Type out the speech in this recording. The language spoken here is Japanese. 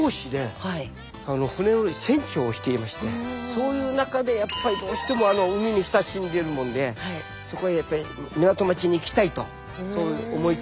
そういう中でやっぱりどうしても海に親しんでるもんでそこへやっぱり港町に行きたいとそう思いつつ。